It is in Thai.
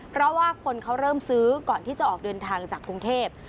เพราะว่าคนเขาเริ่มซื้อก่อนที่จะออกเดินทางจากกรุงเทพ